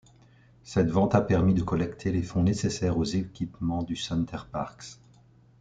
Cette vente a permis de collecter les fonds nécessaires aux équipements du Center Parcs.